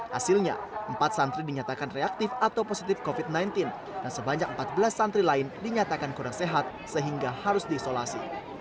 hasilnya empat santri dinyatakan reaktif atau positif covid sembilan belas dan sebanyak empat belas santri lain dinyatakan kurang sehat sehingga harus diisolasi